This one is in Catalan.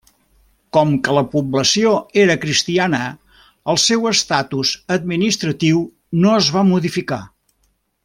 Com que la població era cristiana el seu estatus administratiu no es va modificar.